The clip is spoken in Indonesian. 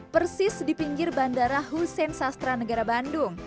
persis di pinggir bandara hussein sastra negara bandung